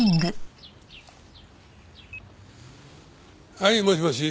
はいもしもし。